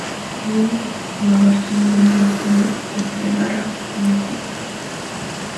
El único próximo a Barcelona era el túnel entre Garraf y Sitges.